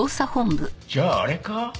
じゃああれか？